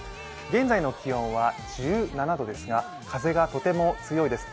現在の気温は１７度ですが風がとても強いです。